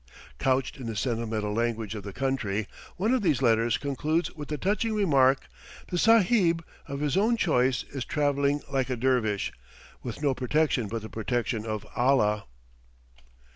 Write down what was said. Couched in the sentimental language of the country, one of these letters concludes with the touching remark: "The Sahib, of his own choice is travelling like a dervish, with no protection but the protection of Allah."